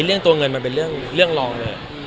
เรื่องตัวเงินมันเป็นเรื่องรองเลย